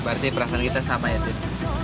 berarti perasaan kita sama ya tuh